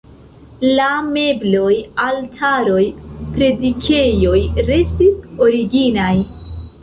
La mebloj, altaroj, predikejo restis originaj.